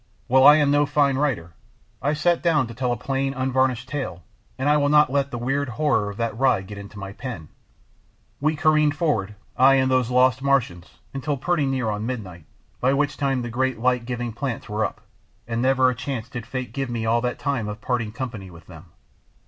Well, I am no fine writer. I sat down to tell a plain, unvarnished tale, and I will not let the weird horror of that ride get into my pen. We careened forward, I and those lost Martians, until pretty near on midnight, by which time the great light giving planets were up, and never a chance did Fate give me all that time of parting company with them.